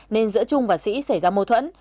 nên giữa trung và sĩ xảy ra mâu thuẫn